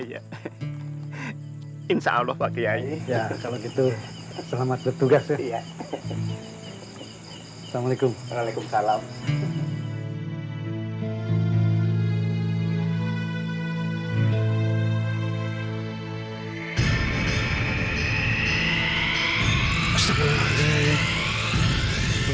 iya insyaallah pak kiai ya kalau gitu selamat bertugas iya assalamualaikum waalaikumsalam